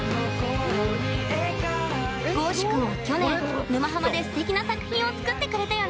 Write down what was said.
君は去年「沼ハマ」ですてきな作品を作ってくれたよね。